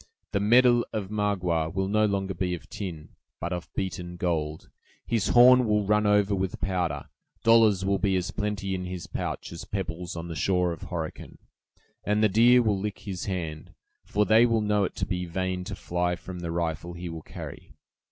The medal of Magua will no longer be of tin, but of beaten gold; his horn will run over with powder; dollars will be as plenty in his pouch as pebbles on the shore of Horican; and the deer will lick his hand, for they will know it to be vain to fly from the rifle he will carry!